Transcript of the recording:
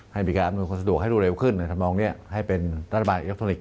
ให้บริการอนุญาตคนสะดวกให้รู้เร็วขึ้นทำลองนี้ให้เป็นรัฐบาลอินกรักษ์ทุนิค